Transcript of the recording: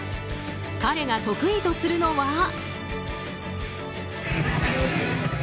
彼が得意とするのは。